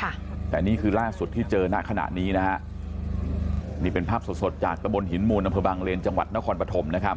ค่ะแต่นี่คือล่าสุดที่เจอณขณะนี้นะฮะนี่เป็นภาพสดสดจากตะบนหินมูลอำเภอบางเลนจังหวัดนครปฐมนะครับ